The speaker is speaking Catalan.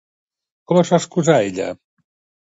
Com es va excusar ella?